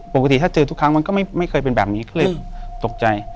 ปกติถ้าเจอทุกครั้งมันก็ไม่เคยเป็นแบบนี้ก็เลยตกใจ